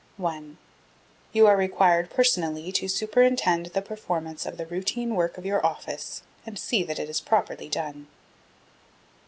1. You are required personally to superintend the performance of the routine work of your office and see that it is properly done.